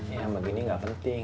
yang begini gak penting